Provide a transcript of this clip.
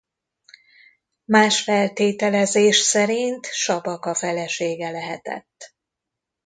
Más feltételezés szerint Sabaka felesége lehetett.